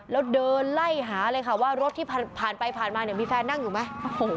แล้วเดินไล่หาเลยค่ะว่ารถที่ผ่านไปผ่านมาเนี่ยมีแฟนนั่งอยู่ไหม